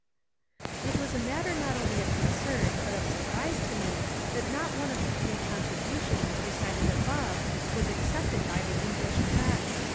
It was a matter not only of concern but of surprise to me that not one of the three contributions recited above was accepted by the English Press.